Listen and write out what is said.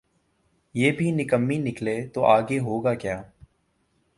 یہ بھی نکمیّ نکلے تو آگے ہوگاکیا؟